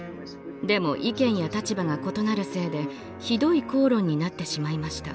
でも意見や立場が異なるせいでひどい口論になってしまいました。